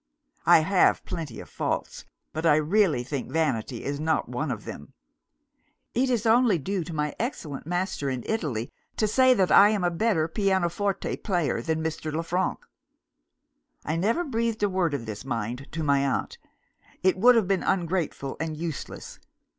I have plenty of faults, but I really think vanity is not one of them. It is only due to my excellent master in Italy to say, that I am a better pianoforte player than Mr. Le Frank. "I never breathed a word of this, mind, to my aunt. It would have been ungrateful and useless.